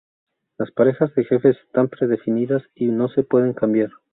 Las parejas de jefes están predefinidas y no se pueden cambiar.